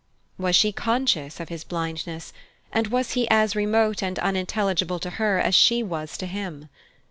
Was she conscious of his blindness, and was he as remote and unintelligible to her as she was to him?